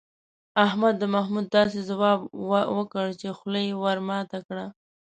احمد د محمود داسې ځواب وکړ، چې خوله یې ور ماته کړه.